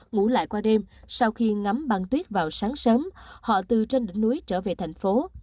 ngủ lại qua đêm sau khi ngắm băng tuyết vào sáng sớm họ từ trên đỉnh núi trở về thành phố